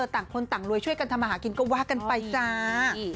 ต่างคนต่างรวยช่วยกันทำมาหากินก็ว่ากันไปจ้า